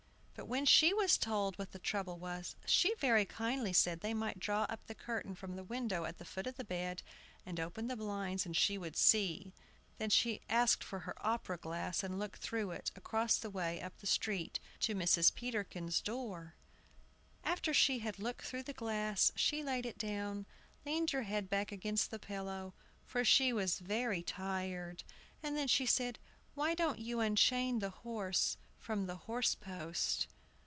But when she was told what the trouble was, she very kindly said they might draw up the curtain from the window at the foot of the bed, and open the blinds, and she would see. Then she asked for her opera glass, and looked through it, across the way, up the street, to Mrs. Peterkin's door. After she had looked through the glass, she laid it down, leaned her head back against the pillow, for she was very tired, and then said, "Why don't you unchain the horse from the horse post?"